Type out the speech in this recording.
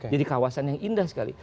jadi kawasan yang indah sekali